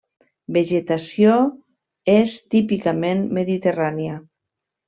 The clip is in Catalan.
Vegetació és típicament mediterrània.